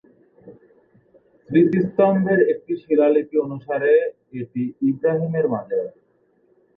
স্মৃতিস্তম্ভের একটি শিলালিপি অনুসারে এটি ইব্রাহিমের মাজার।